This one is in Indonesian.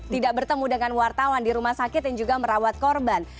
tidak bertemu dengan wartawan di rumah sakit yang juga merawat korban